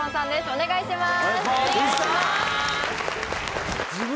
お願いします